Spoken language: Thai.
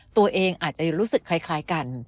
ตัวเองอาจจะรู้สึกคล้ายกัน